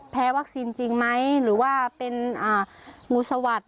วัคซีนจริงไหมหรือว่าเป็นงูสวัสดิ